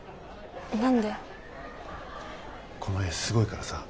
この絵すごいからさ